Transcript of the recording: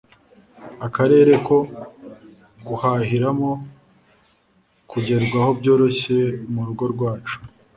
Akarere ko guhahiramo kugerwaho byoroshye murugo rwacu